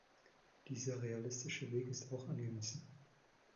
Dieser realistische Weg ist auch angemessen.